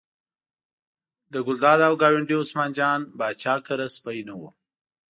له ګلداد او ګاونډي عثمان جان پاچا کره سپی نه و.